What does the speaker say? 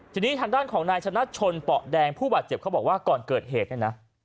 ทีนี้ทางด้านของนายชนะชนเปาะแดงผู้บาดเจ็บเขาบอกว่าก่อนเกิดเหตุเนี่ยนะ